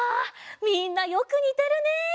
みんなよくにてるね。